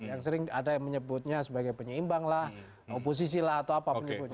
yang sering ada yang menyebutnya sebagai penyeimbang lah oposisi lah atau apa berikutnya